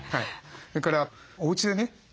それからおうちでね